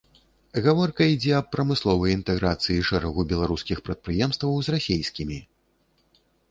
Гаворка ідзе аб прамысловай інтэграцыі шэрагу беларускіх прадпрыемстваў з расейскімі.